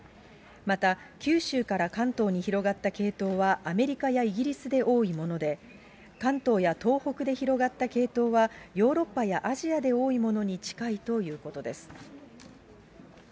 また、九州から関東に広がった系統はアメリカやイギリスで多いもので、関東や東北で広がった系統は、ヨーロッパやアジアで多いものに近いということです。